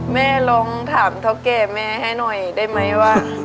แม่ลองถามเท่าแก่แม่ให้หน่อยได้ไหมว่า